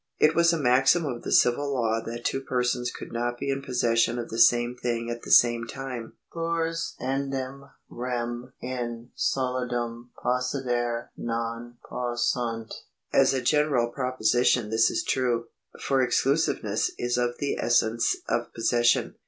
It was a maxim of the civil law that two persons could not be in possession of the same thing at the same time. Plures eandem rem in solidum possidere non jaossunt} As a general proposition this is true ; for exclusiveness is of the essence of possession.